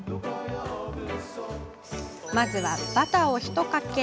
まずはバターをひとかけ